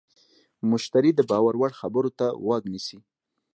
مشتری د باور وړ خبرو ته غوږ نیسي.